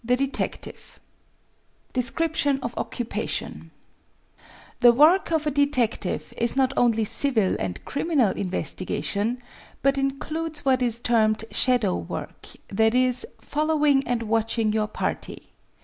OAKES Description of occupation The work of a detective is not only civil and criminal investi gation, but includes what is termed "shadow work"; i.e., following and watching your " party."